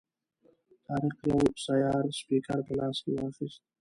طارق یو سیار سپیکر په لاس کې واخیست.